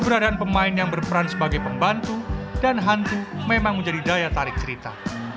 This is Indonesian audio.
keberadaan pemain yang berperan sebagai pembantu dan hantu memang menjadi daya tarik cerita